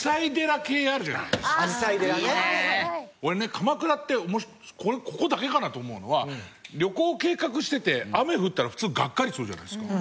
俺ね鎌倉ってこれここだけかなと思うのは旅行を計画してて雨降ったら普通ガッカリするじゃないですか。